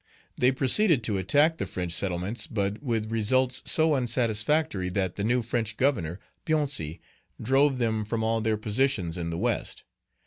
They proceeded to attack the French settlements, but with results so unsatisfactory that the new French Governor, Pouancey, drove them from all their positions in the West.